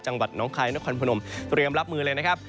น้องคลายนครพนมเตรียมรับมือเลยนะครับ